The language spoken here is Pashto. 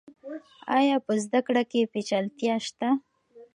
آیا په زده کړه کې پیچلتیا شته؟